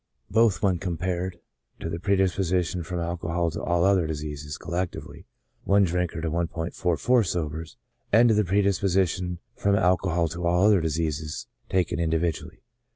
both when compared to the predisposition from alcohol to all other diseases collectively, (i D. to 1*44 S.) and to the predisposition from alcohol to all other diseases taken individually.